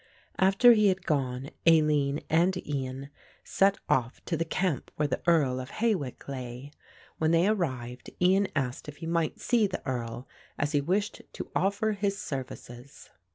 After he had gone, Aline and Ian set off to the camp where the Earl of Hawick lay. When they arrived Ian asked if he might see the Earl, as he wished to offer his services.